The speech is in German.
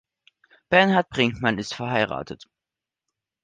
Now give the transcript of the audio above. Bernhard Brinkmann ist verheiratet.